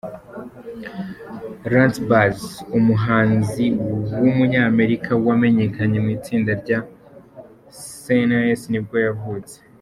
Lance Bass, umuhanzi w’umunyamerika wamenyekanye muitsinda rya ‘N Sync nibwo yavutse.